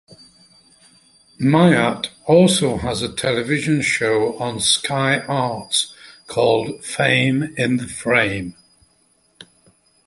Myatt also has a television show on Sky Arts called Fame in the Frame.